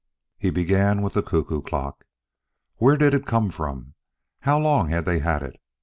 He began with the cuckoo clock. Where did it come from? How long had they had it?